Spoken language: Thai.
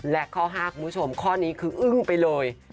และข้อ๕คุณผู้ชมข้อนี้คืออึ้งไปเลย